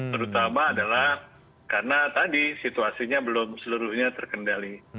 terutama adalah karena tadi situasinya belum seluruhnya terkendali